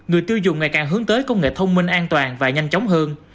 người tiêu dùng ngày càng hướng tới công nghệ thông minh an toàn và nhanh chóng hơn